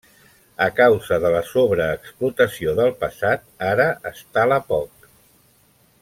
A causa de la sobreexplotació del passat, ara es tala poc.